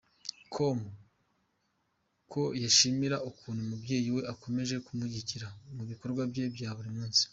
com ko yishimira ukuntu umubyeyi we akomeje kumushyigikira mu bikorwa bye bya buri munsi.